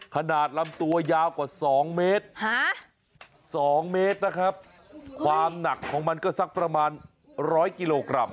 ขนาดลำตัวยาวกว่า๒เมตร๒เมตรนะครับความหนักของมันก็สักประมาณร้อยกิโลกรัม